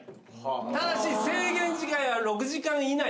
ただし制限時間は６時間以内。